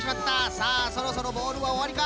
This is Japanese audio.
さあそろそろボールはおわりか？